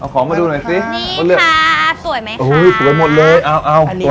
ของมาดูหน่อยซิ